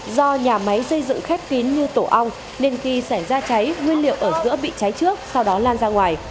do nhà máy xây dựng khép kín như tổ ong nên khi xảy ra cháy nguyên liệu ở giữa bị cháy trước sau đó lan ra ngoài